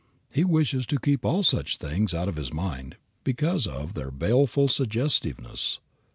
He wishes to keep all such things out of his mind because of their baleful suggestiveness.